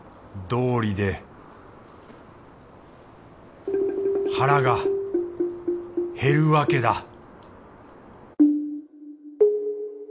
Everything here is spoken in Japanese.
どうりで腹が減るわけだ